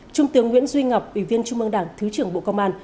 trung tướng nguyễn duy ngọc ủy viên trung mương đảng thứ trưởng bộ công an